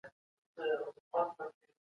موږ بايد خپل عزت په عقل وساتو.